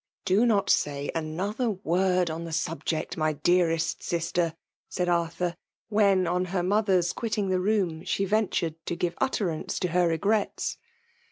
Do not say another word on the subject, my dearest sister,'' said Arthur, when, on her mother's quitting flie room, she ventured tb give utterance to her regrets.